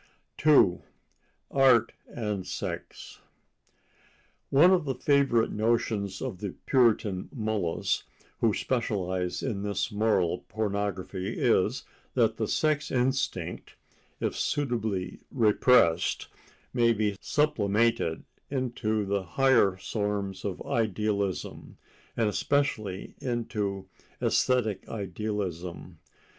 2 Art and Sex One of the favorite notions of the Puritan mullahs who specialize in this moral pornography is that the sex instinct, if suitably repressed, may be "sublimated" into the higher sorts of idealism, and especially into æsthetic idealism.